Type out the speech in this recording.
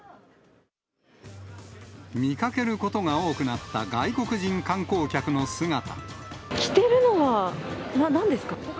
見かけることが多くなった外着てるのは、なんですか？